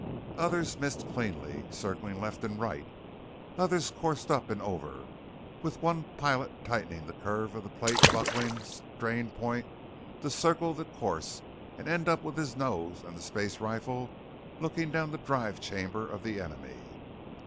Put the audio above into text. Others missed cleanly, circling left and right; others coursed up and over, with one pilot tightening the curve to the plate buckling strain point to circle the course and end up with his nose and the space rifle looking down the drive chamber of the enemy.